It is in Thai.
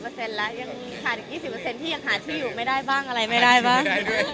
แล้วยังขาดอีก๒๐ที่ยังหาที่อยู่ไม่ได้บ้างอะไรไม่ได้บ้าง